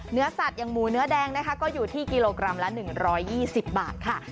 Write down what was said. เนื้อสัตว์อย่างหมูเนื้อแดงนะคะก็อยู่ที่กิโลกรัมละ๑๒๐บาทค่ะ